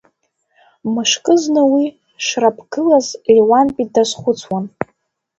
Мышкы зны уи шраԥгылаз Леуанти дазхәыцуан.